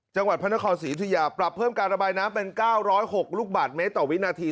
จังหวัดพระนครศรียุธยาปรับเพิ่มการระบายน้ำเป็น๙๐๖ลูกบาทเมตรต่อวินาที